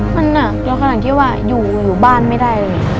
มันน่ะเราขนาดที่ว่าอยู่อยู่บ้านไม่ได้เลยค่ะ